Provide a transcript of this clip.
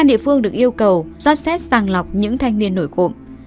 địa phương được yêu cầu do xét sàng lọc những thanh niên nổi cụm